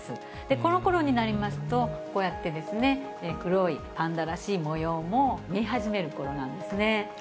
このころになりますと、こうやってですね、黒い、パンダらしい模様も見え始めるころなんですね。